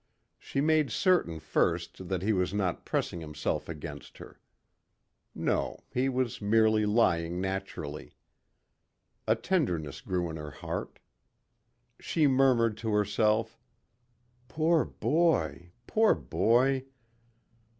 She made certain first that he was not pressing himself against her. No, he was merely lying naturally. A tenderness grew in her heart. She murmured to herself, "Poor boy, poor boy."